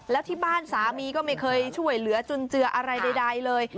แล้วที่บ้านสามีก็ไม่เคยช่วยเหลือจุนเจืออะไรใดเลย